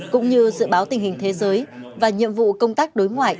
cũng như dự báo tình hình thế giới và nhiệm vụ công tác đối ngoại